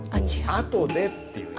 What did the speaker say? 「あとで」っていう意味。